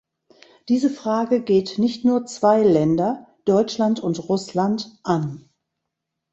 Diese Frage geht nicht nur zwei Länder, Deutschland und Russland, an.